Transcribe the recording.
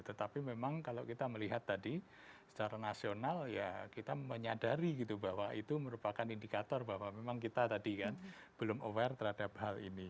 tetapi memang kalau kita melihat tadi secara nasional ya kita menyadari gitu bahwa itu merupakan indikator bahwa memang kita tadi kan belum aware terhadap hal ini